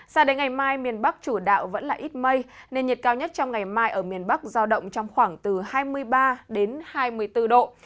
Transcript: sao đến ngày mai miền bắc chủ đạo vẫn là ít mây nền nhiệt cao nhất trong ngày mai ở miền bắc giao động trong khoảng từ hai mươi ba đến hai mươi bốn độ